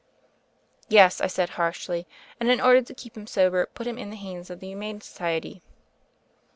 "Yes," I said harshly, "and in order to keep him sober^ put him in tne hands of the Humane Society."